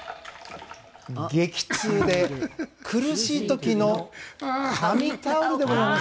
「激痛で苦しい時の神タオル」でございます。